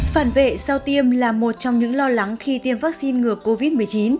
phản vệ sau tiêm là một trong những lo lắng khi tiêm vắc xin ngừa covid một mươi chín